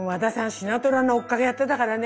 シナトラの追っかけやってたからね。